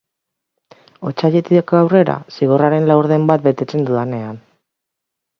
Otsailetik aurrera, zigorraren laurden bat betetzen dudanean.